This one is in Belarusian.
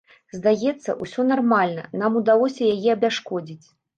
Здаецца, усё нармальна, нам удалося яе абясшкодзіць.